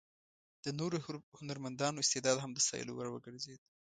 د نورو هنرمندانو استعداد هم د ستایلو وړ وګرځېد.